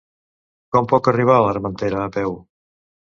Com puc arribar a l'Armentera a peu?